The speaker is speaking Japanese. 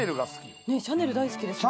シャネル大好きですね。